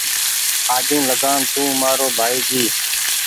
آجوٚنٚ لگآن تونٚ مآرو ڀآئي جي